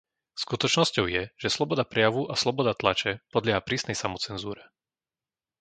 Skutočnosťou je, že sloboda prejavu a sloboda tlače podlieha prísnej samocenzúre.